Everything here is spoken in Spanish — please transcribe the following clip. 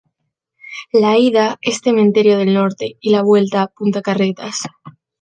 La ida es Cementerio del Norte y la vuelta Punta Carretas.